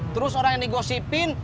terus orang yang digosipin